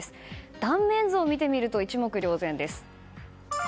断面図を見てみると一目瞭然です。